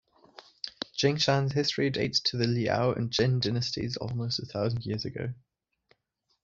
Jingshan's history dates to the Liao and Jin dynasties, almost a thousand years ago.